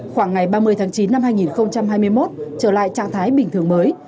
khoảng ngày ba mươi tháng chín năm hai nghìn hai mươi một trở lại trạng thái bình thường mới